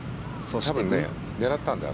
多分、狙ったんだよ